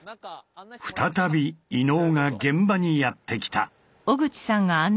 再び伊野尾が現場にやって来た。